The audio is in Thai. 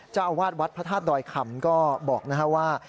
จะเอาวาดวัดพระธาตุดอยคำก็บอกนะฮะว่า